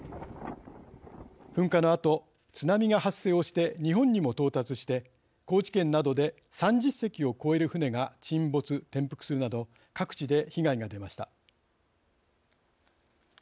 噴火のあと津波が発生をして日本にも到達して高知県などで３０隻を超える船が沈没・転覆するなど各地で被害が出ました。